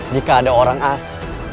jika ada orang asli